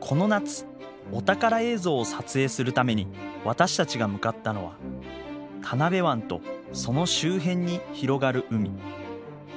この夏お宝映像を撮影するために私たちが向かったのは田辺湾とその周辺に広がる海。